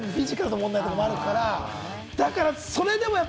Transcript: フィジカルの問題とかもあるから。